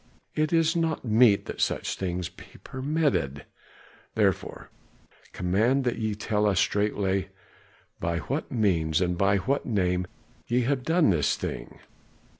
It is not meet that such things be permitted. I therefore command that ye tell us straightway by what means and by what name ye have done this thing?"